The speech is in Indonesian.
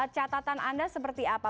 catatan anda seperti apa